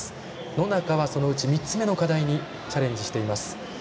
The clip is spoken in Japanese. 野中はそのうち３つ目の課題にチャレンジしています。